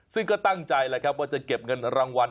ซึ่งก็ตั้งใจว่าจะเก็บเงินรางวัล